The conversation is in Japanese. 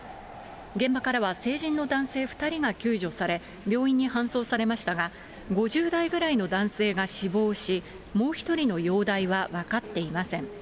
現場からは成人の男性２人が救助され、病院に搬送されましたが、５０代ぐらいの男性が死亡し、もう１人の容体は分かっていません。